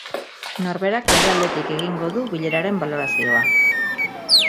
Norberak bere aldetik egingo du bileraren balorazioa.